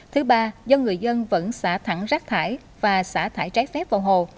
thứ ba do người dân vẫn xả thẳng rác thải và xả thải trái phép vào hồ